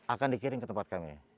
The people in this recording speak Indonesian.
akan dikirim ke tempat kami